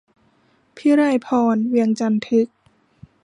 พิไลพร เวียงจันทึก